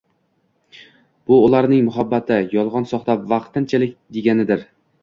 Bu, ularning “muhabbati” yolg‘on, soxta, vaqtinchalik, deganidir.